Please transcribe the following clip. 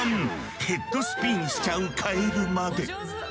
ヘッドスピンしちゃうカエルまで。